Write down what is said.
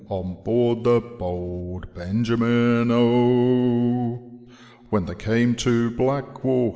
On board the Bold Benjamin, O. " When they came to Black wall.